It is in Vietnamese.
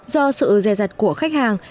do sự rẻ rặt của khách hàng